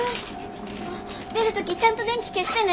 あ出る時ちゃんと電気消してね。